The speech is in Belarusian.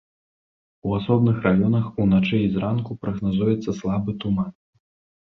У асобных раёнах уначы і зранку прагназуецца слабы туман.